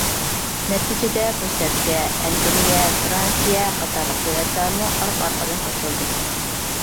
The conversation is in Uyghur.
نەتىجىدە، بۇ سەپكە ئەنگلىيە، فىرانسىيە قاتارلىق دۆلەتلەرمۇ ئارقا-ئارقىدىن قوشۇلدى.